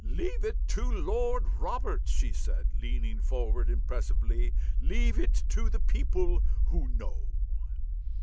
"Leave it to Lord Robert!" she said, leaning forward impressively. "_Leave it to the people who know.